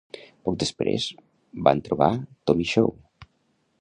Poc després, van trobar Tommy Shaw.